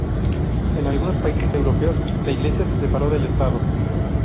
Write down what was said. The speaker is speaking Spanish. En algunos países europeos la Iglesia se separó del estado.